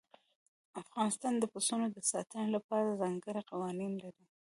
افغانستان د پسونو د ساتنې لپاره ځانګړي قوانين لري.